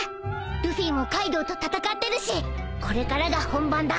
ルフィもカイドウと戦ってるしこれからが本番だ。